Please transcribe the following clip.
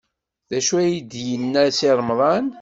D acu ay d-yenna Si Remḍan?